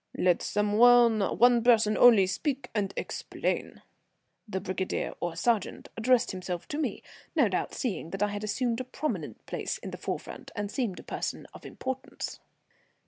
"Let some one, one person only, speak and explain." The brigadier, or sergeant, addressed himself to me, no doubt seeing that I had assumed a prominent place in the forefront, and seemed a person of importance.